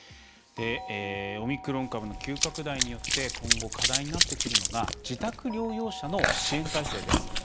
オミクロン株の急拡大によって今後、課題になってくるのが自宅療養者の支援態勢です。